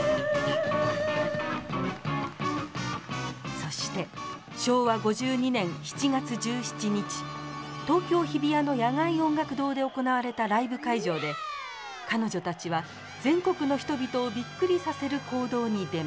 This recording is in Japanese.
そして昭和５２年７月１７日東京・日比谷の野外音楽堂で行われたライブ会場で彼女たちは全国の人々をびっくりさせる行動に出ます。